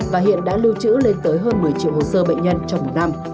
và hiện đã lưu trữ lên tới hơn một mươi triệu hồ sơ bệnh nhân trong một năm